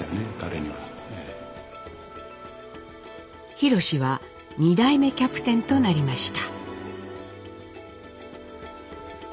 ひろしは２代目キャプテンとなりました。